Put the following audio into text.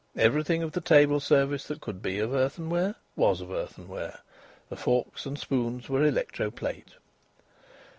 Everything of the table service that could be of earthenware was of earthenware. The forks and spoons were electro plate.